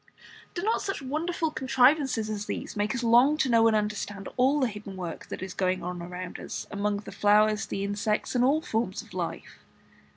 Do not such wonderful contrivances as these make us long to know and understand all the hidden work that is going on around us among the flowers, the insects, and all forms of life?